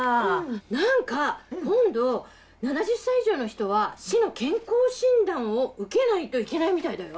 何か今度７０歳以上の人は市の健康診断を受けないといけないみたいだよ。